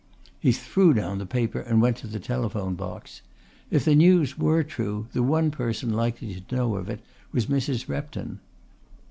He threw down the paper and went to the telephone box. If the news were true the one person likely to know of it was Mrs. Repton.